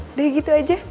udah gitu aja